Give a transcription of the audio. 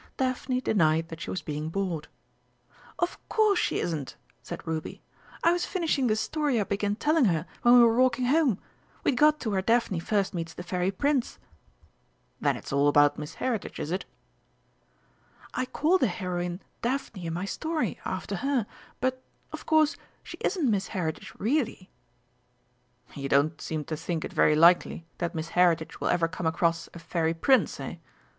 Daphne denied that she was being bored. "Of course she isn't!" said Ruby; "I was finishing the story I began telling her when we were walking home. We'd got to where Daphne first meets the Fairy Prince." "Then it's all about Miss Heritage, is it?" "I call the heroine 'Daphne' in my story, after her but, of course, she isn't Miss Heritage really." "You don't seem to think it very likely that Miss Heritage will ever come across a Fairy Prince, eh!"